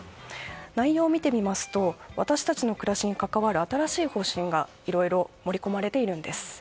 内容を見てみますと私たちの暮らしに関わる新しい方針がいろいろ盛り込まれているんです。